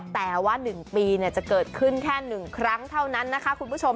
แต่ว่า๑ปีจะเกิดขึ้นแค่๑ครั้งเท่านั้นนะคะคุณผู้ชม